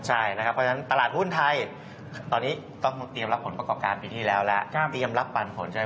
ใช่นะครับเพราะฉะนั้นตลาดหุ้นไทย